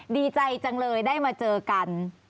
ดีใจจังเลยได้มาเจอกัน